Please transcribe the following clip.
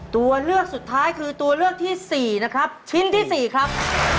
ตัวเลือกสุดท้ายคือตัวเลือกที่สี่นะครับชิ้นที่๔ครับ